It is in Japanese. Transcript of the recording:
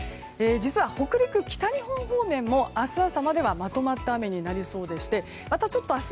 実は北陸、北日本方面も明日朝まではまとまった雨になりそうでしてまた明日